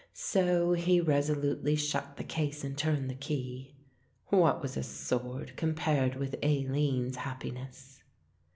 So he resolutely shut the case and turned the key. "What was a sword compared with Aline's happiness?"